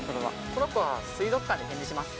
このコは水族館で展示します。